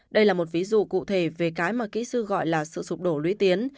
đây là một ví dụ cụ thể về cái mà kỹ sư gọi là sự sụp đổ lũy tiến